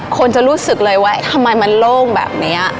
คนจะรู้สึกเลยว่าทำไมมันโล่งแบบนี้